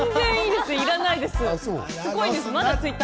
いらないです。